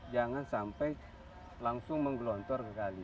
jangan sampai langsung menggelontor sekali